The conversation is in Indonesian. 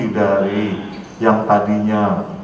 dari yang tadinya